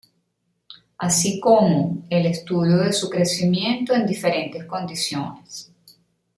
Así como, el estudio de su crecimiento en diferentes condiciones.